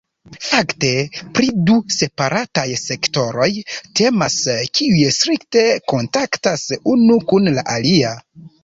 Fakte, pri du separataj sektoroj temas, kiuj strikte kontaktas unu kun la alia.